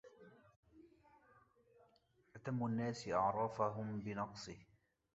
أتم الناس أعرفهم بنقصه